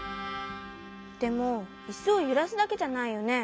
でもイスをゆらすだけじゃないよね？